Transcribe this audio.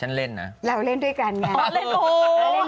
ฉันเล่นนะเราเล่นด้วยกันไงอ๋อเล่นโอ้